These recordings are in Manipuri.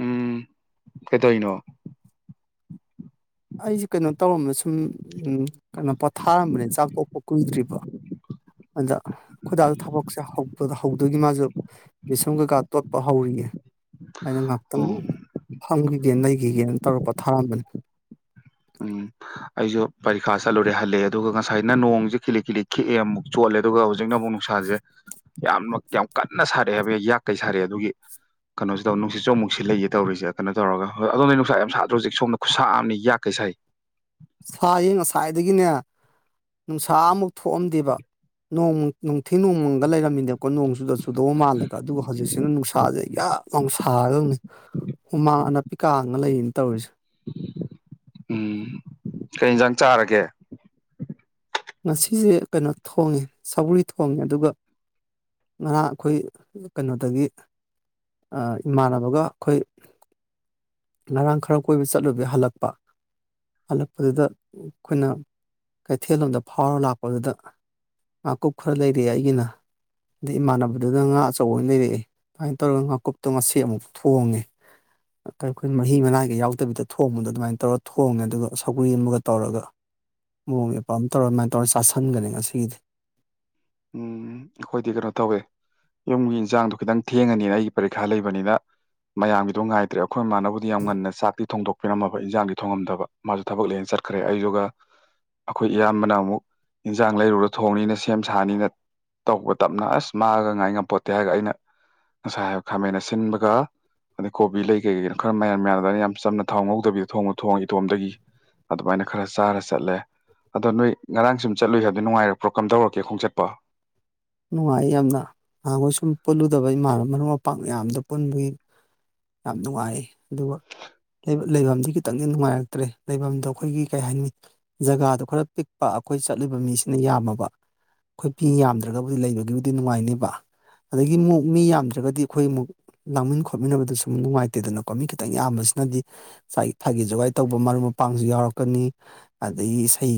ꯎꯝ ꯀꯗꯧꯏꯅꯣ ꯑꯩꯁꯦ ꯀꯩꯅꯣ ꯇꯧꯔꯝꯕ ꯁꯨꯝ ꯀꯩꯅꯣ ꯄꯣꯊꯥꯔꯝꯕꯅꯤ ꯆꯥꯛ ꯇꯣꯛꯄ ꯀꯨꯏꯗ꯭ꯔꯤꯕ ꯑꯗ ꯈꯣꯏꯗꯥꯖꯨ ꯊꯕꯛꯁꯦ ꯍꯧꯗꯨꯏꯒꯤ ꯃꯥꯁꯨ ꯕꯦꯁꯣꯟ ꯀꯩꯀꯥ ꯇꯣꯠꯄ ꯍꯧꯔꯤꯅꯦ ꯑꯩꯅ ꯉꯥꯏꯍꯥꯛꯇꯪ ꯑꯣ ꯐꯝꯈꯤꯒꯦꯅ ꯂꯩꯈꯤꯒꯦꯅ ꯇꯧꯔ ꯄꯣꯊꯥꯔꯝꯕꯅꯤ ꯎꯝ [inaudible] ꯑꯩꯁꯨ ꯄꯔꯤꯈꯥ ꯆꯠꯂꯨꯔꯦ ꯍꯜꯂꯛꯑꯦ ꯑꯗꯨꯒ ꯉꯁꯥꯏꯅ ꯅꯣꯡꯁꯦ ꯈꯤꯛꯂꯤ ꯈꯤꯛꯂꯤ ꯈꯤꯛꯑꯦ ꯑꯃꯨꯛ ꯆꯣꯠꯂꯦ ꯑꯗꯨꯒ ꯍꯧꯖꯤꯛꯅ ꯑꯃꯨꯛ ꯅꯨꯡꯁꯥꯁꯦ ꯌꯥꯝꯅ ꯌꯥꯝ ꯀꯟꯅ ꯁꯥꯔꯛꯑꯦ ꯍꯥꯏꯕ ꯌꯥꯛ ꯀꯩ ꯁꯥꯔꯛꯑꯦ ꯑꯗꯨꯒꯤ ꯀꯩꯅꯣꯁꯨ ꯇꯧꯏ ꯅꯨꯡꯁꯤꯠꯁꯨ ꯃꯨꯛ ꯁꯤꯠꯂꯛꯏꯌꯦ ꯇꯧꯔꯤꯁꯦ ꯀꯩꯅꯣ ꯇꯧꯔꯒ ꯍꯣꯏ ꯑꯗꯣꯅꯦ ꯅꯨꯡꯁꯥ ꯌꯥꯝ ꯁꯥꯗ꯭ꯔꯣ ꯍꯧꯖꯤꯛ ꯁꯣꯝꯗ ꯈꯨꯁꯥ ꯑꯃꯅꯤ ꯌꯥꯛꯀꯩ ꯁꯥꯏ ꯁꯥꯁ ꯉꯁꯥꯏꯗꯒꯤꯅꯦ ꯅꯨꯡꯁꯥ ꯑꯃꯨꯛ ꯊꯣꯛꯑꯝꯗꯦꯕ ꯅꯣꯡ ꯅꯨꯡꯊꯤ ꯅꯣꯡꯃꯪꯒ ꯂꯩꯔꯝꯃꯤꯅꯦꯕꯀꯣ ꯅꯣꯡ ꯆꯨꯗ ꯆꯨꯗꯧꯕ ꯃꯥꯜꯂꯒ ꯑꯗꯨꯒ ꯍꯧꯖꯤꯛꯁꯤꯅ ꯅꯨꯡꯁꯥꯁꯦ ꯌꯥꯝ ꯌꯥꯝ ꯁꯥꯒꯗꯧꯅꯤ ꯍꯨꯃꯥꯡ ꯑꯅꯥꯄꯤꯀꯥꯉ ꯂꯩꯌꯦꯅ ꯇꯧꯔꯤꯁꯦ ꯎꯝ ꯀꯩ ꯌꯦꯟꯖꯥꯡ ꯆꯥꯔꯒꯦ ꯉꯁꯤꯁꯦ ꯀꯩꯅꯣ ꯊꯣꯡꯉꯦ ꯁꯕꯨꯔꯤ ꯊꯣꯡꯉꯦ ꯑꯗꯨꯒ ꯉꯔꯥꯡ ꯑꯩꯈꯣꯏ ꯀꯩꯅꯣꯗꯒꯤ ꯏꯃꯥꯟꯅꯕꯒ ꯑꯩꯈꯣꯏ ꯉꯔꯥꯡ ꯈꯔ ꯀꯣꯏꯕ ꯆꯠꯂꯨꯕꯗ ꯍꯜꯂꯛꯄ ꯍꯜꯂꯛꯄꯗꯨꯗ ꯑꯩꯈꯣꯏꯅ ꯀꯩꯊꯦꯜꯂꯣꯝꯗ ꯐꯥꯎꯔꯒ ꯂꯥꯛꯄꯗꯨꯗ ꯃꯀꯨꯞ ꯈꯔ ꯂꯩꯔꯤ ꯑꯩꯒꯤꯅ ꯑꯗꯩ ꯏꯃꯥꯟꯅꯕꯗꯨꯅ ꯉꯥ ꯑꯆꯧꯕ ꯑꯣꯏꯅ ꯂꯩꯔꯛꯑꯦ ꯑꯗꯨꯃꯥꯏꯅ ꯇꯧꯔꯒ ꯉꯥꯀꯨꯞꯇꯣ ꯉꯁꯤ ꯑꯃꯨꯛ ꯊꯣꯡꯉꯦ ꯑꯩꯈꯣꯏꯅ ꯃꯍꯤ ꯃꯅꯥꯏꯒ ꯌꯥꯎꯗꯕꯤꯗ ꯊꯣꯡꯕꯗꯣ ꯑꯗꯨꯃꯥꯏꯅ ꯇꯧꯔ ꯊꯣꯡꯉꯦ ꯑꯗꯨꯒ ꯁꯧꯒꯔꯤ ꯑꯃꯒ ꯇꯧꯔꯒ ꯃꯑꯣꯡꯗ ꯃꯄꯥ ꯑꯃ ꯇꯧꯔ ꯑꯗꯨꯃꯥꯏꯅ ꯇꯧꯔ ꯆꯥꯁꯟꯒꯅꯤ ꯉꯁꯤꯒꯤꯗꯤ ꯎꯝ ꯑꯩꯈꯣꯏꯗꯤ ꯀꯩꯅꯣ ꯇꯧꯋꯦ ꯌꯨꯝꯒꯤ ꯏꯟꯁꯥꯡꯗꯣ ꯈꯤꯇꯪ ꯊꯦꯡꯉꯅꯤꯅ ꯑꯩꯒꯤ ꯄꯔꯤꯈꯥ ꯂꯩꯕꯅꯤꯅ ꯃꯌꯥꯝꯒꯤꯗꯣ ꯉꯥꯏ ꯇꯠꯇꯦ ꯑꯩꯈꯣꯏ ꯏ ꯃꯥꯅꯕꯕꯨꯗꯤ ꯌꯥꯝ ꯉꯟꯅ ꯆꯥꯛꯇꯤ ꯊꯣꯡꯗꯣꯛ ꯄꯤꯔꯝꯃꯕ ꯏꯟꯖꯥꯡꯗꯤ ꯊꯣꯡꯉꯝꯗꯕ ꯃꯥꯁꯨ ꯊꯕꯛ ꯂꯩꯅ ꯆꯠꯈ꯭ꯔꯦ ꯑꯩꯗꯨꯒ ꯑꯩꯈꯣꯏ ꯏꯌꯥꯝꯕꯅ ꯑꯃꯨꯛ ꯌꯦꯟꯖꯥꯡ ꯂꯩꯔꯨꯔ ꯊꯣꯡꯅꯤꯅ ꯁꯦꯝ ꯁꯥꯅꯤꯅ ꯇꯧꯕ ꯇꯞꯅ ꯑꯁ ꯃꯥꯒ ꯉꯥꯏ ꯉꯄꯣꯠꯇꯦ ꯍꯥꯏꯔꯒ ꯑꯩꯅ ꯉꯁꯥꯏ ꯈꯥꯃꯩꯅ ꯁꯤꯟꯕꯒ ꯑꯗꯩ ꯀꯣꯕꯤ ꯂꯩ ꯀꯩꯀ ꯀꯩꯩꯅꯣ ꯈꯔ ꯃꯌꯥꯝ ꯃꯌꯥꯝꯗ ꯑꯩꯅ ꯌꯥꯝ ꯆꯝꯅ ꯊꯥꯎ ꯉꯧꯗꯕꯤꯗ ꯊꯣꯡꯕ ꯊꯣꯡꯉꯤ ꯏꯇꯣꯝꯗꯒꯤ ꯑꯗꯨꯃꯥꯏꯅ ꯈꯔ ꯆꯥꯔ ꯆꯠꯂꯦ ꯑꯗꯣ ꯅꯣꯏ ꯉꯔꯥꯡ ꯁꯨꯝ ꯆꯠꯂꯨ ꯍꯥꯏꯕꯗꯨꯣ ꯅꯨꯉꯥꯏꯔꯛꯄ꯭ꯔꯣ ꯀꯃꯥꯏ ꯇꯧꯔꯛꯀꯦ ꯈꯣꯡꯆꯠꯄꯣ ꯅꯨꯡꯉꯥꯏ ꯌꯥꯝꯅ ꯅꯍꯥꯟꯈꯣꯏ ꯁꯨꯝ ꯄꯨꯜꯂꯨꯗꯕ ꯏꯃꯥꯅꯕ ꯃꯔꯨꯞ ꯃꯄꯥꯡ ꯃꯌꯥꯝꯗ ꯄꯨꯟꯕꯒꯤ ꯌꯥꯝ ꯅꯨꯡꯉꯥꯏ ꯑꯗꯨꯒ ꯂꯩꯐꯝꯗꯤ ꯈꯤꯇꯪꯗꯤ ꯅꯨꯡꯉꯥꯏꯔꯛꯇ꯭ꯔꯦ ꯂꯩꯐꯝꯗꯣ ꯑꯩꯈꯣꯏꯒꯤ ꯀꯩ ꯍꯥꯏꯅꯤ ꯖꯒꯥꯗꯨꯣ ꯈꯔ ꯄꯤꯛꯄ ꯑꯩꯈꯣꯏ ꯆꯠꯂꯤꯕ ꯃꯤꯁꯤꯅ ꯌꯥꯝꯃꯕ ꯑꯩꯈꯣꯏ ꯄꯤ ꯌꯥꯝꯗꯕ ꯕꯨ ꯂꯩꯕꯒꯤꯕꯨꯗꯤ ꯅꯨꯡꯉꯥꯏꯅꯦꯕ ꯑꯗꯒꯤ ꯑꯃꯨꯛ ꯃꯤ ꯌꯥꯝꯗ꯭ꯔꯒꯗꯤ ꯑꯩꯈꯣꯏꯨꯛ ꯂꯥꯡꯃꯤꯟ ꯈꯣꯠꯃꯤꯟꯅꯕꯗ ꯁꯨꯝ ꯅꯨꯡꯉꯥꯏꯇꯦꯗꯅꯀꯣ ꯃꯤ ꯈꯤꯇꯪ ꯌꯥꯝꯕꯁꯤꯅꯗꯤ ꯊꯥꯒꯤ ꯖꯒꯥꯏ ꯇꯧꯕ ꯃꯔꯨꯞ ꯃꯄꯥꯡꯁꯨ ꯌꯥꯎꯔꯛꯀꯅꯤ ꯑꯗꯒꯤ ꯏꯁꯩ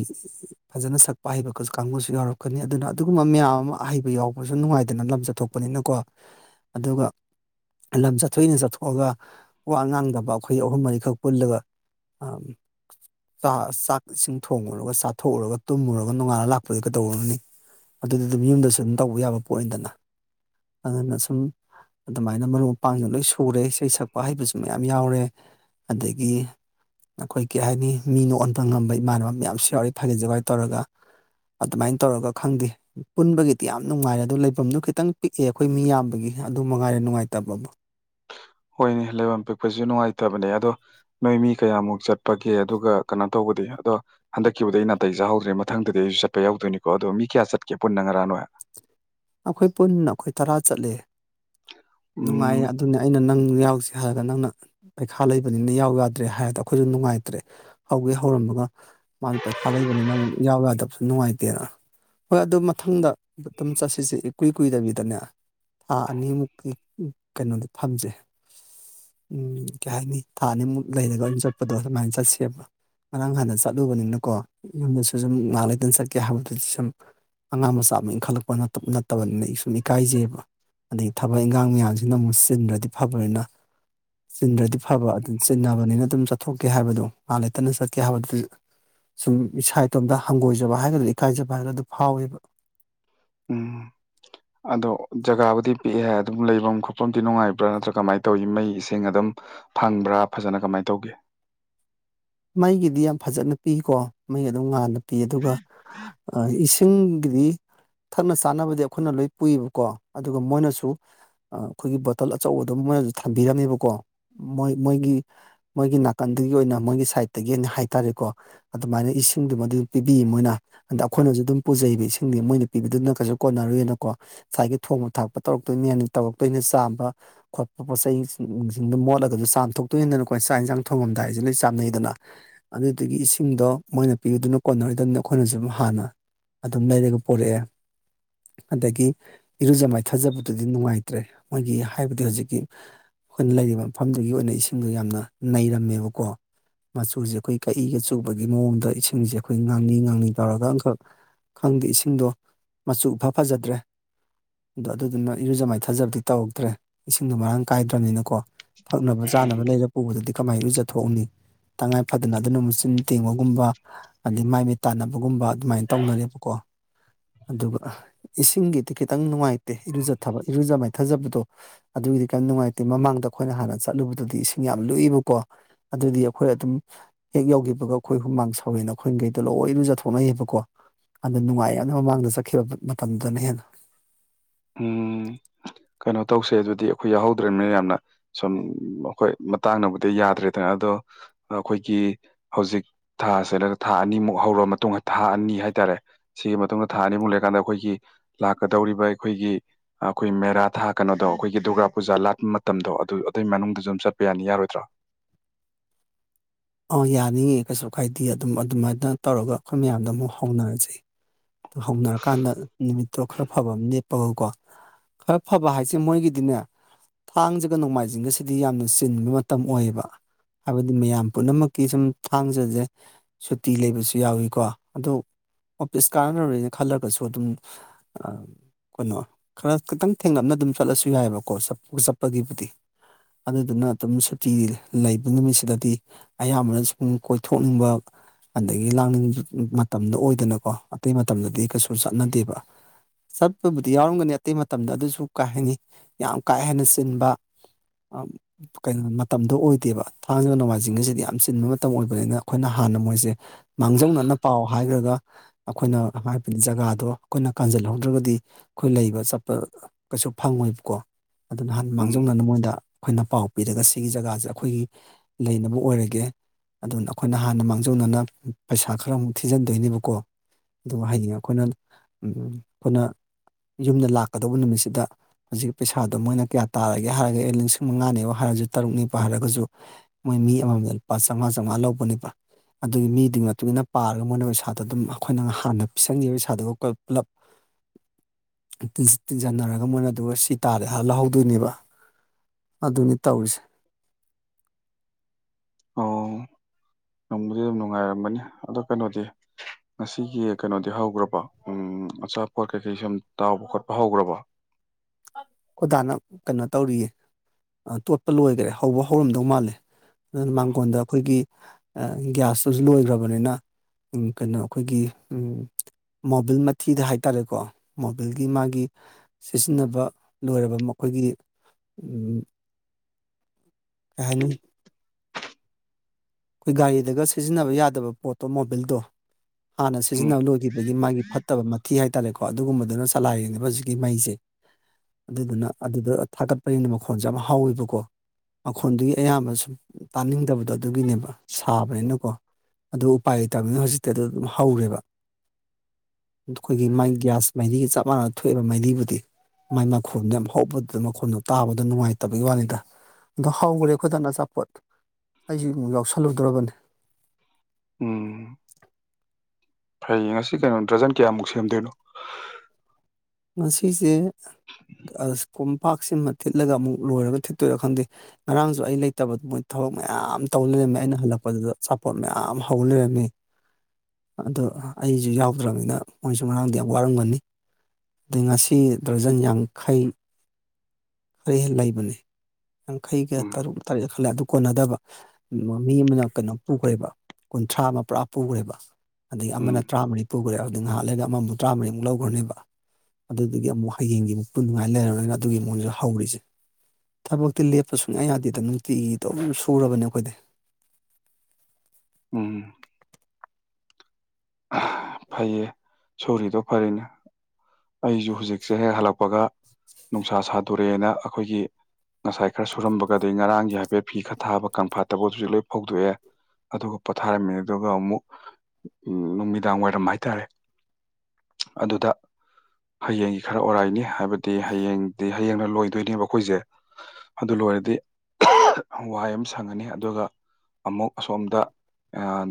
ꯐꯖꯅ ꯁꯛꯄ ꯍꯩꯕ ꯀꯥꯡꯕꯨꯁꯨ ꯌꯥꯎꯔꯛꯀꯅꯤ ꯑꯗꯨꯅ ꯑꯗꯨꯒꯨꯝꯕ ꯃꯌꯥꯝ ꯑꯃ ꯑꯍꯩꯕ ꯌꯥꯎꯕꯁꯨ ꯅꯨꯡꯉꯥꯏꯗꯅ ꯂꯝ ꯆꯠꯊꯣꯛꯄꯅꯤꯅꯀꯣ ꯑꯗꯨꯒ ꯂꯝ ꯆꯠꯊꯣꯛꯏꯅ ꯆꯠꯊꯣꯛꯑꯒ ꯋꯥ ꯉꯥꯡꯗꯕ ꯑꯩꯈꯣꯏ ꯑꯍꯨꯝ ꯃꯔꯤꯈꯛ ꯄꯨꯜꯂꯒ ꯑꯝ ꯆꯥꯛ ꯆꯥꯛ ꯏꯁꯤꯡ ꯊꯣꯡꯉꯨꯔꯒ ꯆꯥꯊꯣꯛꯎꯔꯒ ꯇꯨꯝꯃꯨꯔꯒ ꯅꯣꯡꯉꯥꯅ ꯂꯥꯛꯄꯗ ꯀꯩꯗꯧꯅꯤ ꯑꯗꯨꯗ ꯑꯗꯨꯝ ꯌꯨꯝꯗꯁꯨ ꯑꯗꯨꯝ ꯇꯧꯕ ꯌꯥꯕ ꯄꯣꯠꯅꯤꯗꯅ ꯑꯗꯨꯅ ꯁꯨꯝ ꯑꯗꯨꯃꯥꯏꯅ ꯃꯔꯨꯞ ꯃꯄꯥꯡꯗꯨ ꯂꯣꯏ ꯁꯨꯔꯦ ꯏꯁꯩ ꯁꯛꯄ ꯍꯩꯕꯁꯨ ꯃꯌꯥꯝ ꯌꯥꯎꯔꯦ ꯑꯗꯒꯤ ꯑꯩꯈꯣꯏ ꯀꯩ ꯍꯥꯏꯅꯤ ꯃꯤꯅ ꯑꯣꯟꯕ ꯉꯝꯕ ꯏꯃꯥꯟꯅꯕ ꯃꯌꯥꯝꯁꯨ ꯌꯥꯎꯔꯤ ꯐꯒꯠ ꯖꯒꯥꯏ ꯇꯧꯔꯒ ꯑꯗꯨꯃꯥꯏꯅ ꯇꯧꯔꯒ ꯈꯪꯗꯦ ꯄꯨꯟꯕꯒꯤꯗꯤ ꯌꯥꯝ ꯅꯨꯡꯉꯥꯏꯔꯦ ꯑꯗꯨ ꯂꯩꯐꯝꯗꯨꯣ ꯈꯤꯇꯪ ꯄꯤꯛꯑꯦ ꯑꯩꯈꯣꯏ ꯃꯤ ꯌꯥꯝꯕꯒꯤ ꯑꯗꯨ ꯃꯉꯥꯏꯔꯦ ꯅꯨꯡꯉꯥꯏꯇꯕ ꯑꯃ ꯍꯣꯏꯅꯦ ꯂꯩꯐꯝ ꯄꯤꯛꯄꯁꯨ ꯅꯨꯡꯉꯥꯏꯇꯕꯅꯦ ꯑꯗꯣ ꯅꯣꯏ ꯃꯤ ꯀꯌꯥꯃꯨꯛ ꯆꯠꯄꯒꯦ ꯑꯗꯨꯒ ꯀꯩꯅꯣ ꯇꯧꯕꯗꯤ ꯑꯗꯣ ꯍꯟꯗꯛꯀꯤꯕꯨꯗꯤ ꯑꯩ ꯅꯥꯇꯩ ꯆꯍꯧꯗ꯭ꯔꯦ ꯃꯊꯗꯗꯤ ꯑꯩꯁꯨ ꯆꯠꯄ ꯌꯥꯎꯗꯣꯏꯅꯤꯀꯣ ꯑꯗꯣ ꯃꯤ ꯀꯌꯥ ꯆꯠꯀꯦ ꯄꯨꯟꯅ ꯉꯔꯥꯡꯅꯣꯏ ꯑꯩꯈꯣꯏ ꯄꯨꯟꯅ ꯑꯩꯈꯣꯏ ꯇꯔꯥ ꯆꯠꯂ ꯅꯨꯡꯉꯥꯏꯌꯦ ꯎꯝ ꯑꯗꯨꯅꯦ ꯑꯩꯅ ꯅꯪ ꯌꯥꯎꯁ ꯍꯥꯏꯔꯒ ꯅꯪꯅ ꯄꯩꯈꯥ ꯂꯩꯕꯅꯤꯅ ꯌꯥꯎ ꯌꯥꯗ꯭ꯔꯦ ꯍꯥꯏꯔꯗ ꯑꯩꯈꯣꯏꯁꯨ ꯅꯨꯡꯉꯥꯏꯇ꯭ꯔꯦ ꯍꯧꯒꯦ ꯍꯧꯔꯝꯃꯒ ꯃꯥ ꯄꯩꯈꯥ ꯂꯩꯕꯅꯤꯅ ꯑꯃꯨꯛ ꯌꯥꯎꯕ ꯌꯥꯗꯕꯁꯨ ꯅꯨꯡꯉꯥꯏꯇꯦꯅ ꯍꯣꯏ ꯑꯗꯨ ꯃꯊꯪꯗ ꯇꯝ ꯆ ꯁꯤ ꯏꯀꯨꯏ ꯀꯨꯏꯗꯕꯤꯗꯅꯦ ꯊꯥ ꯑꯅꯤꯃꯨꯛꯇꯀꯤ ꯀꯩꯅꯣꯗ ꯐꯝꯖꯩ ꯎꯝ ꯀꯩ ꯍꯥꯏꯅꯤ ꯊꯥ ꯑꯅꯤꯃꯨꯛ ꯂꯩꯔꯒ ꯑꯝ ꯆꯠꯄꯗꯣ ꯑꯗꯨꯃꯥꯏꯅ ꯆꯠꯁꯦꯕ ꯉꯥꯡ ꯍꯥꯟꯅ ꯆꯠꯂꯨꯕꯅꯤꯅꯀꯣ ꯌꯨꯝꯗꯁꯨ ꯁꯨꯝ ꯉꯥꯏꯍꯥꯛ ꯂꯩꯇꯅ ꯆꯠꯀꯦ ꯍꯥꯏꯕꯗꯨꯗꯤ ꯁꯨꯝ ꯑꯉꯥꯡ ꯃꯆꯥ ꯑꯃ ꯏꯟꯈꯠꯂꯛꯄ ꯅꯠꯇꯕꯅꯤꯅ ꯑꯩ ꯁꯨꯝ ꯏꯀꯥꯏꯖꯩꯑꯕ ꯑꯗꯒꯤ ꯊꯕꯛ ꯏꯟꯈꯥꯡ ꯃꯌꯥꯝꯁꯤꯅ ꯑꯃꯨꯛ ꯆꯤꯟꯗ꯭ꯔꯗꯤ ꯐꯕꯅꯤꯅ ꯆꯤꯟꯗ꯭ꯔꯗꯤ ꯑꯐꯕ ꯑꯗꯨ ꯆꯤꯟꯅꯕꯅꯤꯅ ꯑꯗꯨꯝ ꯆꯠꯊꯣꯛꯀꯦ ꯍꯥꯏꯕꯗꯣ ꯃꯥꯥ ꯂꯩꯇꯅ ꯆꯠꯀꯦ ꯍꯥꯏꯕꯗꯨ ꯁꯨꯝ ꯏꯁꯥ ꯏꯇꯣꯝꯇ ꯍꯪꯒꯣꯏꯖꯕ ꯍꯥꯏꯒꯗ꯭ꯔꯥ ꯏꯀꯥꯏꯖꯕ ꯍꯥꯏꯒꯗ꯭ꯔꯥ ꯑꯗꯨ ꯐꯥꯎꯋꯦꯕ ꯎꯝ [inaudible] ꯑꯗꯣ ꯖꯒꯥꯕꯨꯗꯤ ꯄꯤꯛꯑꯦ ꯍꯥꯏ ꯑꯗꯨꯝ ꯂꯩꯐꯝ ꯈꯣꯠꯐꯝꯗꯤ ꯅꯨꯡꯉꯥꯏꯕ꯭ꯔꯥ ꯅꯠꯇ꯭ꯔꯒ ꯀꯃꯥꯏꯅ ꯇꯧꯋꯤ ꯃꯩ ꯏꯁꯤꯡ ꯑꯗꯨꯝ ꯐꯪꯕ꯭ꯔꯥ ꯐꯖꯅ ꯀꯃꯥꯏꯅ ꯇꯧꯒꯦ ꯃꯩꯒꯤꯗꯤ ꯌꯥꯝ ꯐꯖꯅ ꯄꯤꯀꯣ ꯃꯩ ꯑꯗꯨꯝ ꯉꯥꯟꯟꯅ ꯄꯤ ꯑꯗꯨꯒꯁꯤꯡ ꯏꯁꯤꯡꯒꯤꯗꯤ ꯊꯛꯅ ꯆꯥꯅꯕꯗꯤ ꯑꯩꯈꯣꯏꯅ ꯂꯣꯏ ꯄꯨꯏꯕꯀꯣ ꯑꯗꯨꯒ ꯃꯣꯏꯅꯁꯨ ꯑꯩꯈꯣꯏꯒꯤ ꯕꯣꯇꯜ ꯑꯆꯧꯕꯗꯣ ꯃꯣꯏꯅ ꯊꯝꯕꯤꯔꯝꯃꯦꯕꯀꯣ ꯃꯣꯏ ꯃꯣꯏꯒꯤ ꯃꯣꯏꯒꯤ ꯅꯥꯀꯟꯗꯒꯤ ꯑꯣꯏꯅ ꯃꯣꯏꯒꯤ ꯁꯥꯏꯠꯇꯒꯤꯅ ꯍꯥꯏꯇꯥꯔꯦꯀꯣ ꯑꯗꯨꯃꯥꯏꯅ ꯏꯁꯤꯡꯗꯨꯃꯗꯨ ꯄꯤꯕꯤ ꯃꯣꯏꯅ ꯑꯗ ꯑꯩꯈꯣꯏꯅꯁꯨ ꯑꯗꯨꯝ ꯄꯨꯖꯩꯕ ꯏꯁꯤꯡꯖꯦ ꯃꯣꯏꯅ ꯄꯤꯕꯗꯨꯅ ꯀꯩꯁꯨ ꯀꯣꯟꯅꯔꯣꯏꯅꯀꯣ ꯉꯁꯥꯏꯒꯤ ꯊꯣꯡꯕ ꯊꯥꯛꯄ ꯇꯧꯔꯛꯇꯣꯏꯅꯦꯅ ꯇꯧꯔꯛꯇꯣꯏꯅꯤ ꯆꯥꯝꯕ ꯈꯣꯠꯄ ꯄꯣꯠꯆꯩ ꯁꯤꯡꯗ ꯃꯣꯠꯂꯒꯁꯨ ꯆꯥꯝꯊꯣꯛꯇꯣꯏꯅꯤꯗꯅꯀꯣ ꯆꯥꯛ ꯏꯟꯁꯥꯡ ꯊꯣꯡꯉꯝꯗꯥꯏ ꯍꯥꯏꯁꯦ ꯂꯣꯏ ꯆꯥꯝꯅꯩꯗꯅ ꯑꯗꯨꯗꯒꯤ ꯏꯁꯤꯡꯗꯣ ꯃꯣꯏꯅ ꯄꯤꯕꯗꯨꯅ ꯀꯣꯟꯅꯔꯤꯗꯅꯤ ꯑꯩꯈꯣꯏꯅꯁꯨ ꯍꯥꯟꯅ ꯑꯗꯨꯝ ꯂꯩꯔꯒ ꯄꯨꯔꯛꯑꯦ ꯑꯗꯒꯤ ꯏꯔꯨꯖ ꯃꯥꯏꯊꯥꯖꯕꯗꯨꯗꯤ ꯅꯨꯡꯉꯥꯏꯇ꯭ꯔꯦ ꯃꯣꯏꯒꯤ ꯍꯥꯏꯕꯗꯤ ꯍꯧꯖꯤꯛꯀꯤ ꯑꯩꯈꯣꯏꯅ ꯂꯩꯔꯤꯕ ꯃꯐꯝꯗꯨꯒꯤ ꯑꯣꯏꯅ ꯏꯁꯤꯡꯗꯣ ꯌꯥꯝꯅ ꯅꯩꯔꯝꯃꯦꯕꯀꯣ ꯃꯆꯨꯁꯦ ꯑꯩꯈꯣꯏ ꯀꯛꯏꯒ ꯆꯨꯕꯒꯤ ꯃꯑꯣꯡꯗ ꯏꯁꯤꯡꯁꯦ ꯑꯩꯈꯣꯏ ꯉꯥꯡꯅꯤ ꯉꯥꯡꯅꯤ ꯇꯧꯔꯒ ꯑꯃꯝꯈꯛ ꯈꯪꯗꯦ ꯏꯁꯤꯡꯗꯣ ꯃꯆꯨ ꯐ ꯐꯖꯗ꯭ꯔꯦ ꯑꯗꯣ ꯑꯗꯨꯗꯨꯅ ꯏꯔꯨꯖ ꯃꯥꯏꯊꯥꯖꯕꯗꯤ ꯇꯧꯍꯧꯗ꯭ꯔꯦ ꯏꯁꯤꯡꯗꯣ ꯃꯔꯥꯡ ꯀꯥꯏꯗ꯭ꯔꯕꯅꯤꯅꯀꯣ ꯊꯛꯅꯕ ꯆꯥꯅꯕ ꯂꯩꯔꯒ ꯄꯨꯕꯗꯗꯤ ꯀꯃꯥꯏꯅ ꯏꯔꯨ ꯖꯠꯊꯣꯛꯎꯅꯤ ꯇꯉꯥꯏ ꯐꯗꯅ ꯑꯗꯨꯅ ꯃꯆꯤꯟ ꯇꯦꯡꯕꯒꯨꯝꯕ ꯑꯗꯩ ꯃꯥꯏ ꯃ ꯇꯥꯟꯅꯕꯒꯨꯝꯕ ꯑꯗꯨꯃꯥꯏꯅ ꯇꯧꯅꯔꯕꯀꯣ ꯑꯗꯨꯒ ꯏꯁꯤꯡꯒꯤꯗꯤ ꯈꯤꯇꯪ ꯅꯨꯡꯉꯥꯏꯇꯦ ꯏꯔꯨꯖꯊꯕ ꯏꯔꯨꯖ ꯃꯥꯏꯊꯖꯕꯗꯣ ꯑꯗꯨꯒꯤꯗꯤ ꯀꯔꯤꯝ ꯅꯨꯡꯉꯥꯏꯇꯦ ꯃꯃꯥꯡꯗ ꯑꯩꯈꯣꯏꯅ ꯍꯥꯟꯅ ꯆꯠꯂꯨꯕꯗꯨꯗꯤ ꯏꯁꯤꯡ ꯌꯥꯝ ꯂꯨꯏꯕꯀꯣ ꯑꯗꯨꯗꯤ ꯑꯩꯈꯣꯏ ꯑꯗꯨꯝ ꯍꯦꯛ ꯌꯧꯈꯤꯕꯒ ꯑꯩꯈꯣꯏ ꯍꯨꯃꯥꯡ ꯁꯧꯋꯦꯅ ꯑꯩꯈꯣꯏꯈꯩꯗ ꯂꯣꯏꯅ ꯆꯠꯊꯣꯛꯅꯩꯌꯦꯕꯀꯣ ꯑꯗꯨꯗ ꯅꯨꯡꯉꯥꯏꯅ ꯃꯃꯥꯡꯗ ꯆꯠꯈꯤꯕ ꯃꯇꯝꯗꯨꯅ ꯍꯦꯟꯅ ꯎꯝ ꯀꯩꯅꯣ ꯇꯧꯁꯦ ꯑꯗꯨꯗꯤ ꯑꯩꯈꯣꯏ ꯌꯥꯎꯍꯧꯗ꯭ꯔꯅꯤꯅ ꯌꯥꯝꯅ ꯁꯨꯝ ꯑꯩꯈꯣꯏ ꯃꯇꯥꯡꯅꯕꯨꯗꯤ ꯌꯥꯗ꯭ꯔꯦꯗꯅ ꯑꯗꯣ ꯑꯩꯈꯣꯏꯒꯤ ꯍꯧꯖꯤꯛ ꯊꯥꯁꯤꯔ ꯊꯥ ꯑꯅꯤꯃꯨꯛ ꯍꯧꯔ ꯃꯇꯨꯡꯗ ꯊꯥ ꯑꯅꯤ ꯍꯥꯏꯇꯥꯔꯦ ꯁꯤꯒꯤ ꯃꯇꯨꯡꯗ ꯊꯥ ꯑꯅꯤꯃꯨꯛ ꯂꯩꯔꯀꯥꯟꯗ ꯑꯩꯈꯣꯏꯒꯤ ꯂꯥꯛꯀꯗꯧꯔꯤꯕ ꯑꯩꯈꯣꯏꯒꯤ ꯑꯩꯈꯣꯏ ꯃꯦꯔꯥ ꯊꯥ ꯀꯩꯅꯣꯗꯣ ꯑꯩꯈꯣꯏꯒꯤ ꯗꯨꯔꯒꯥ ꯄꯨꯖꯥ ꯂꯥꯠꯄ ꯃꯇꯝꯗꯣ ꯑꯗꯨ ꯑꯗꯨꯏ ꯃꯅꯨꯡꯗꯁꯨ ꯑꯗꯨꯝ ꯆꯠꯄ ꯌꯥꯅꯤ ꯌꯥꯔꯣꯏꯗ꯭ꯔꯣ ꯑ ꯌꯥꯅꯤꯡꯉꯦ ꯀꯩꯁꯨ ꯀꯥꯏꯗꯦ ꯑꯗꯨꯝ ꯑꯗꯨꯃꯥꯏꯅ ꯇꯧꯔꯒ ꯑꯩꯈꯣꯏ ꯃꯌꯥꯝꯗ ꯑꯃꯨꯛ ꯍꯧꯅꯔꯖꯩ ꯍꯧꯅꯔꯀꯥꯟꯗ ꯅꯨꯃꯤꯠꯇꯣ ꯈꯔ ꯐꯕ ꯑꯃ ꯂꯦꯞꯄꯒꯀꯣ ꯍꯣꯏ ꯐꯕ ꯍꯥꯏꯁꯦ ꯃꯣꯏꯒꯤꯗꯤꯅꯦ ꯊꯥꯡꯖꯒ ꯅꯣꯡꯃꯥꯏꯖꯤꯡꯒꯁꯤꯗꯤ ꯌꯥꯝꯅ ꯆꯤꯟꯕ ꯃꯇꯝ ꯑꯣꯏꯌꯦꯕ ꯍꯥꯏꯕꯗꯤ ꯃꯌꯥꯝ ꯄꯨꯝꯅꯃꯛꯀꯤ ꯁꯨꯝ ꯊꯥꯡꯖꯁꯦ ꯁꯨꯇꯤ ꯂꯩꯕꯁꯨ ꯌꯥꯎꯋꯤꯀꯣ ꯑꯗꯣ ꯑꯣꯐꯤꯁ ꯀꯥꯒꯔꯔꯣꯏꯅ ꯈꯜꯂꯒꯁꯨ ꯑꯗꯨꯝ ꯑ ꯀꯩꯅꯣ ꯈꯔ ꯈꯤꯇꯪ ꯊꯦꯡꯅꯅ ꯑꯗꯨꯝ ꯆꯠꯂꯁꯨ ꯌꯥꯏꯑꯕꯀꯣ ꯆꯄ ꯆꯠꯄꯒꯤꯕꯨꯗꯤ ꯑꯗꯨꯗꯨꯅ ꯑꯗꯨꯝ ꯁꯨꯇꯤ ꯂꯩꯕ ꯅꯨꯃꯤꯠꯁꯤꯗꯗꯤ ꯑꯌꯥꯝꯕꯅ ꯁꯨꯝ ꯀꯣꯏꯊꯣꯛꯅꯤꯡꯕ ꯑꯗꯒꯤ ꯂꯥꯛꯅꯤꯡꯕ ꯃꯇꯝꯗꯣ ꯑꯣꯏꯗꯅꯀꯣ ꯑꯇꯩ ꯃꯇꯝꯗꯗꯤ ꯀꯩꯁꯨ ꯆꯠꯅꯗꯦꯕ ꯆꯠꯄꯕꯨꯗꯤ ꯌꯥꯎꯔꯝꯒꯅꯤ ꯑꯇꯩ ꯃꯇꯝꯗ ꯑꯗꯨꯁꯨ ꯀꯥꯍꯅꯤ ꯌꯥꯝ ꯀꯥ ꯍꯦꯟꯅ ꯆꯤꯟꯕ ꯑꯝ ꯀꯩꯅꯣ ꯃꯇꯝꯗꯣ ꯑꯣꯏꯗꯦꯕ ꯊꯥꯡꯖꯅ ꯅꯣꯡꯃꯥꯏꯖꯤꯡꯁꯤꯗꯤ ꯌꯥꯝ ꯆꯤꯟꯕ ꯃꯇꯝ ꯑꯣꯏꯕꯅꯤꯅ ꯑꯩꯈꯣꯏꯅ ꯍꯥꯟꯅ ꯃꯣꯏꯁꯦ ꯃꯥꯡꯖꯧꯅꯅ ꯄꯥꯎ ꯍꯥꯏꯈ꯭ꯔꯒ ꯑꯩꯈꯣꯏꯅ ꯍꯥꯏꯕꯗꯤ ꯖꯒꯥꯗꯣ ꯑꯩꯈꯣꯏꯅ ꯀꯥꯟꯁꯤꯜꯍꯧꯗ꯭ꯔꯒꯗꯤ ꯑꯩꯈꯣꯏ ꯂꯩꯕ ꯆꯠꯄ ꯀꯩꯁꯨ ꯐꯪꯉꯣꯏꯕꯀꯣ ꯑꯗꯨ ꯅꯍꯥꯟ ꯎꯝ ꯃꯥꯡꯖꯧꯅꯅ ꯃꯣꯏꯗ ꯑꯩꯈꯣꯏꯅ ꯄꯥꯎ ꯄꯤꯔꯒ ꯁꯤꯒꯤ ꯖꯒꯥꯁꯦ ꯑꯩꯈꯣꯏꯒꯤ ꯂꯩꯅꯕ ꯑꯣꯏꯔꯒꯦ ꯑꯗꯨꯅ ꯑꯩꯈꯣꯏꯅ ꯍꯥꯟꯅ ꯃꯥꯡꯖꯧꯅꯅ ꯄꯩꯁꯥ ꯈꯔꯃꯨꯛ ꯊꯤꯖꯤꯟꯗꯣꯏꯅꯦꯕꯀꯣ [unintelligible] ꯍꯧꯖꯤꯛꯀꯤ ꯄꯩꯁꯥꯗꯣ ꯃꯣꯏꯅ ꯀꯌꯥ ꯇꯥꯔꯒꯦ ꯍꯥꯏꯔꯒ ꯑꯦ ꯂꯤꯁꯤꯡ ꯃꯉꯥꯅꯤꯕꯨ ꯍꯥꯏꯔꯁꯨ ꯇꯔꯨꯛꯅꯤꯕꯨ ꯍꯥꯏꯔꯒꯁꯨ ꯃꯣꯏ ꯃꯤ ꯑꯃꯃꯝꯗ ꯂꯨꯄꯥ ꯆꯝꯉꯥ ꯆꯝꯉꯥ ꯂꯧꯕꯅꯦꯕ ꯑꯗꯨꯒꯤ ꯃꯤꯗꯨꯒꯤ ꯃꯇꯨꯡ ꯏꯟꯅ ꯄꯥꯔꯒ ꯃꯣꯏꯅ ꯄꯩꯁꯥꯗ ꯑꯗꯨꯝ ꯑꯩꯈꯣꯏꯅ ꯍꯥꯟꯅ ꯄꯤꯁꯟꯈꯤꯕ ꯄꯩꯁꯥꯗꯨꯒ ꯄꯨꯂꯞ ꯇꯤꯟꯁꯟꯅꯔꯒ ꯃꯣꯏꯅ ꯑꯗꯨꯒ ꯁꯤ ꯇꯥꯗꯦ ꯍꯥꯏꯔꯒ ꯂꯧꯍꯧꯗꯣꯏꯅꯦꯕ ꯑꯗꯨꯅꯤ ꯇꯧꯔꯤꯁꯦ ꯑꯣ [unintelligible] ꯅꯨꯡꯕꯨꯗꯤ ꯑꯗꯨꯝ ꯅꯨꯡꯉꯥꯏꯔꯝꯃꯅꯤ ꯑꯗꯣ ꯀꯩꯅꯣꯗꯤ ꯉꯁꯤꯒꯤ ꯀꯩꯅꯣꯗꯤ ꯍꯧꯈ꯭ꯔꯕ ꯎꯝ ꯑꯆꯥꯄꯣꯠ ꯀꯩꯀꯩ ꯁꯨꯝ ꯇꯥꯎꯕ ꯈꯣꯠꯄ ꯍꯧꯈ꯭ꯔꯕꯣ ꯈꯣꯏꯗꯥꯅ ꯀꯩꯅꯣ ꯇꯧꯔꯤꯌꯦ ꯇꯣꯠꯄ ꯂꯣꯏꯈꯔꯦ ꯍꯧꯕ ꯍꯧꯔꯝꯗꯧ ꯃꯥꯜꯂꯦ ꯃꯥꯡꯒꯣꯟꯜꯗ ꯑꯩꯈꯣꯏꯒꯤ ꯒ꯭ꯌꯥꯁꯇꯨꯁꯨ ꯂꯣꯏꯈ꯭ꯔꯕꯅꯤꯅ ꯎꯝ ꯀꯩꯅꯣ ꯑꯩꯈꯣꯏꯒꯤ ꯎꯝ ꯃꯣꯕꯤꯜ ꯃꯊꯤꯗ ꯍꯥꯏꯇꯥꯔꯦꯀꯣ ꯃꯣꯕꯤꯜꯒꯤ ꯃꯥꯒꯤ ꯁꯤꯖꯤꯟꯅꯕ ꯂꯣꯏꯔꯕ ꯃꯈꯣꯏꯒꯤ ꯀꯩ ꯍꯥꯏꯅꯤ ꯑꯩꯈꯣꯏ ꯒꯥꯔꯤꯗꯒ ꯁꯤꯖꯤꯟꯅꯕ ꯌꯥꯗꯕ ꯄꯣꯠꯇꯣ ꯃꯣꯕꯤꯜꯗꯣ ꯍꯥꯟꯅ ꯎꯝ ꯁꯤꯖꯤꯟꯅꯕ ꯂꯣꯏꯈꯤꯕꯒꯤ ꯃꯥꯒꯤ ꯐꯠꯇꯕ ꯃꯊꯤ ꯍꯥꯏꯇꯥꯔꯦꯀꯣ ꯑꯗꯨꯒꯨꯝꯕꯗꯨꯅ ꯆꯂꯥꯏꯔꯤꯅꯦꯕ ꯍꯧꯖꯤꯛꯀꯤ ꯃꯩꯁꯦ ꯑꯗꯨꯗꯨꯅ ꯑꯗꯨꯗ ꯊꯥꯒꯠꯄꯅꯤꯅ ꯃꯈꯣꯟꯁꯦ ꯌꯥꯝ ꯍꯥꯎꯋꯦꯕꯀꯣ ꯃꯈꯣꯟꯗꯨꯒꯤ ꯑꯌꯥꯝꯕ ꯁꯨꯝ ꯇꯥꯅꯤꯡꯗꯕꯗꯣ ꯑꯗꯨꯒꯤꯅꯦꯕ ꯁꯥꯕꯅꯤꯅꯀꯣ ꯑꯗꯨ ꯎꯄꯥꯏ ꯂꯩꯇꯕꯅꯤꯅ ꯍꯧꯖꯤꯛꯇꯤ ꯑꯗꯨ ꯑꯗꯨꯝ ꯍꯧꯔꯦꯕ ꯑꯩꯈꯣꯏꯒꯤ ꯃꯒꯤ ꯒ꯭ꯌꯥꯁ ꯃꯩꯍꯤ ꯆꯞ ꯃꯥꯟꯅꯅ ꯊꯣꯛꯑꯦꯕ ꯃꯩꯍꯤꯕꯨꯗꯤ ꯃꯥꯏ ꯃꯈꯣꯟꯜꯗꯨ ꯌꯥꯝ ꯍꯧꯕꯗꯨꯗ ꯃꯈꯣꯟꯜꯗꯨ ꯇꯥꯕꯗ ꯅꯨꯡꯉꯥꯏꯇꯕꯒꯤ ꯋꯥꯅꯤꯗ ꯑꯗꯣ ꯍꯧꯈ꯭ꯔꯦ ꯑꯩꯈꯣꯏꯗ ꯑꯆꯥꯄꯣꯠ ꯑꯩꯖꯨ ꯑꯃꯨꯛ ꯌꯥꯎꯁꯜꯂꯨꯗꯣ꯭ꯔꯕꯅꯤ ꯎꯝ ꯐꯩꯌꯦ ꯉꯁꯤ ꯀꯩꯅꯣ ꯗ꯭ꯔꯖꯟ ꯀꯌꯥꯃꯨꯛ ꯁꯦꯝꯗꯣꯏꯅꯣ ꯉꯁꯤꯁꯦ ꯑꯁ ꯀꯣꯝꯄꯥꯛꯁꯤꯃ ꯊꯤꯠꯂꯒ ꯑꯃꯨꯛ ꯂꯣꯏꯔꯒ ꯊꯤꯠꯇꯣꯏꯔꯥ ꯈꯪꯗꯦ ꯉꯔꯥꯡꯁꯨ ꯑꯩ ꯂꯩꯇꯕꯗꯨ ꯃꯣꯏ ꯊꯕꯛ ꯃꯌꯥꯝ ꯇꯧ ꯂꯩꯔꯝꯃꯦ ꯑꯩꯅ ꯍꯜꯂꯛꯄꯗꯁꯨ ꯑꯆꯥꯄꯣꯠ ꯃꯌꯥꯝ ꯍꯧ ꯂꯩꯔꯝꯃꯦ ꯑꯗꯣ ꯑꯩꯁꯨ ꯌꯥꯎꯗ꯭ꯔꯕꯅꯤꯅ ꯃꯣꯏꯁꯨ ꯉꯔꯥꯡꯗꯤ ꯌꯥꯝ ꯋꯥꯔꯝꯒꯅꯤ ꯑꯗꯩ ꯉꯁꯤ ꯗꯔꯖꯟ ꯌꯥꯡꯈꯩ ꯈꯔ ꯍꯦꯟꯅ ꯂꯩꯕꯅꯦ ꯌꯥꯡꯈꯩꯒ ꯎꯝ ꯇꯔꯨꯛ ꯇꯔꯦꯠ ꯈꯜꯂꯦ ꯑꯗꯨ ꯀꯣꯟꯅꯗꯕ ꯃꯤ ꯑꯃꯅ ꯀꯩꯅꯣ ꯄꯨꯈ꯭ꯔꯦꯕ ꯀꯨꯟꯊ꯭ꯔꯥ ꯑꯃ ꯄꯨꯔꯥ ꯄꯨꯈ꯭ꯔꯦꯕ ꯑꯗꯒꯤ ꯎꯝ ꯑꯃꯅ ꯇꯔꯥꯃꯔꯤ ꯄꯨꯈ꯭ꯔꯦꯕ ꯑꯗꯩ ꯉꯍꯥꯛ ꯂꯩꯒ ꯑꯃꯃꯨꯛ ꯇꯔꯥꯃꯔꯤꯃꯨꯛ ꯂꯧꯈ꯭ꯔꯅꯦꯕ ꯑꯗꯨꯗꯨꯒꯤ ꯑꯃꯨꯛ ꯍꯌꯦꯡꯒꯤꯃꯨꯛ ꯄꯨꯅꯤꯉꯥꯏ ꯂꯩꯔꯔꯣꯏꯅ ꯑꯗꯨꯒꯤ ꯃꯣꯏꯁꯨ ꯍꯧꯔꯤꯁꯦ ꯊꯕꯛꯇꯤ ꯂꯦꯞꯄ ꯁꯨꯡꯌꯥꯗꯦꯗ ꯅꯨꯡꯇꯤꯒꯤ ꯑꯗꯨꯝ ꯁꯨꯔꯕꯅꯦ ꯑꯩꯈꯣꯏꯗ ꯎꯝ ꯐꯩꯌꯦ ꯁꯨꯔꯤꯗꯣ ꯐꯔꯤꯅꯦ ꯑꯩꯁꯨ ꯍꯧꯖꯤꯛꯁꯦ ꯍꯦꯛ ꯍꯜꯂꯛꯄꯒ ꯅꯨꯡꯁꯥ ꯁꯥꯗꯣꯔꯛꯑꯦꯅ ꯑꯩꯈꯣꯏꯒꯤ ꯉꯁꯥꯏ ꯈꯔ ꯁꯨꯔꯝꯕꯒ ꯉꯔꯥꯡꯒꯤ ꯍꯥꯏꯐꯦꯠ ꯐꯤ ꯈꯔ ꯊꯥꯕ ꯀꯪꯐꯥꯠꯇꯕꯗꯨꯁꯨ ꯍꯧꯖꯤꯛ ꯂꯣꯏ ꯐꯧꯗꯣꯛꯑꯦ ꯑꯗꯨꯒ ꯄꯣꯊꯥꯔꯝꯃꯤ ꯑꯗꯨꯒ ꯑꯃꯨꯛ ꯎꯝ ꯅꯨꯃꯤꯗꯥꯡ ꯋꯥꯏꯔꯝ ꯍꯥꯏꯇꯥꯔꯦ ꯑꯗꯨꯗ ꯍꯌꯦꯡꯒꯤ ꯈꯔ ꯑꯣꯔꯥꯏꯅꯤ ꯍꯥꯏꯕꯗꯤ ꯍꯌꯦꯡꯗꯤ ꯍꯌꯦꯡꯅ ꯂꯣꯏꯗꯣꯏꯅꯦꯕ ꯑꯩꯈꯣꯏꯁꯦ [unintelligible] ꯑꯃꯨꯛ ꯑꯁꯣꯝꯗ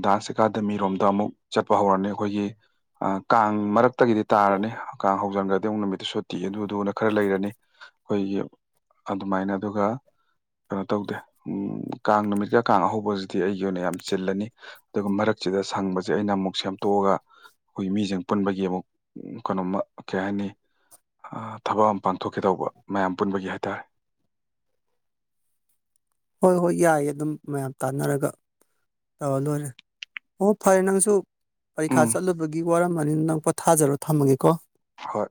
ꯗꯥꯟꯁ ꯑꯦꯀꯥꯗꯃꯤꯔꯣꯝꯗ ꯑꯃꯨꯛ ꯆꯠꯄ ꯍꯧꯔꯛꯑꯅꯤ ꯑꯩꯈꯣꯏꯒꯤ ꯀꯥꯡ ꯃꯔꯛ ꯃꯔꯛꯇꯒꯤꯗꯤ ꯇꯥꯔꯅꯤ ꯀꯥꯡ ꯍꯧꯖꯟꯒ꯭ꯔꯗꯤ ꯑꯃꯨꯛ ꯅꯨꯃꯤꯠꯇꯨ ꯁꯨꯠꯇꯤ ꯑꯗꯨꯗꯨꯅ ꯈꯔ ꯂꯩꯔꯅꯤ ꯑꯩꯈꯣꯏꯒꯤ ꯑꯗꯨꯃꯥꯏꯅ ꯑꯗꯨꯒ ꯀꯩꯅꯣ ꯇꯧꯗꯦ ꯎꯝ ꯀꯥꯡ ꯅꯨꯃꯤꯠꯀ ꯀꯥꯡ ꯑꯍꯧꯕꯒꯁꯤꯗꯤ ꯑꯩꯒꯤ ꯑꯣꯏꯅ ꯌꯥꯝ ꯆꯤꯜꯂꯅꯤ ꯑꯗꯨꯒ ꯃꯔꯛꯁꯤꯗ ꯁꯪꯕꯁꯤꯁ ꯁꯦ ꯑꯩꯅ ꯑꯃꯨꯛ ꯁꯦꯝꯗꯣꯛꯑꯒ ꯑꯩꯈꯣꯏ ꯃꯤꯁꯤꯡ ꯄꯨꯟꯕꯒꯤ ꯑꯃꯨꯛ ꯀꯩꯅꯣꯃ ꯀꯩ ꯍꯥꯏꯅꯤ ꯊꯕꯛ ꯑꯃ ꯄꯥꯡꯊꯣꯛꯀꯦ ꯇꯧꯕ ꯃꯌꯥꯝ ꯄꯨꯟꯕꯒꯤ ꯍꯥꯏꯇꯥꯔꯦ ꯍꯣꯏ ꯍꯣꯏ ꯌꯥꯏ ꯑꯗꯨꯝ ꯃꯌꯥꯝ ꯇꯥꯟꯅꯔꯒ ꯇꯧ ꯂꯣꯏꯔꯦ ꯑꯣ ꯐꯔꯦ ꯅꯪꯁꯨ ꯄꯔꯤꯈꯥ ꯎꯝ ꯆꯠꯂꯨꯕꯒꯤ ꯋꯥꯔꯝ ꯑꯅꯤꯅ ꯅꯪ ꯄꯣ ꯊꯥꯖꯔꯣ ꯊꯝꯃꯒꯦꯀꯣ ꯍꯣꯏ